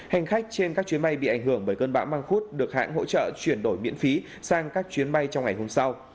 hành khách trên các chuyến bay bị ảnh hưởng bởi cơn bão măng khuốt được hãng hỗ trợ chuyển đổi miễn phí sang các chuyến bay trong ngày hôm sau